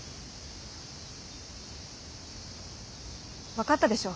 分かったでしょ？